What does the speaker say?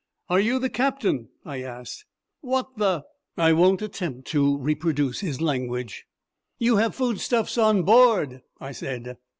"Are you the captain?" I asked. "What the " I won't attempt to reproduce his language. "You have food stuffs on board?" I said.